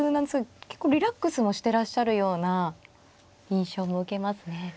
結構リラックスもしてらっしゃるような印象も受けますね。